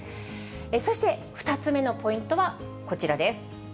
そして２つ目のポイントはこちらです。